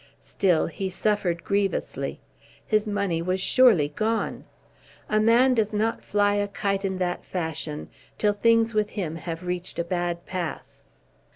Still he suffered grievously. His money was surely gone. A man does not fly a kite in that fashion till things with him have reached a bad pass.